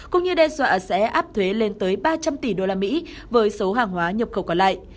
cũng như đe dọa sẽ áp thuế lên tới ba trăm linh tỷ usd với số hàng hóa nhập khẩu còn lại